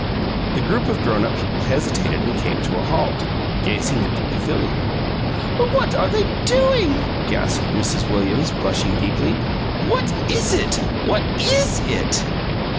The group of grown up people hesitated and came to a halt, gazing at the pavilion. "What are they doing?" gasped Mrs. Williams, blushing deeply. "What is it? What IS it?"